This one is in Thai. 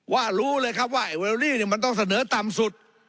ว่ารู้เลยครับว่าไอ้เวลดี้เนี่ยมันต้องเสนอต่ำสุด